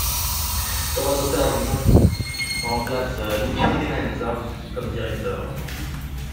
Tommaso Cerno remplace Luigi Vicinanza comme directeur.